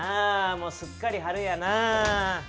もうすっかり春やな。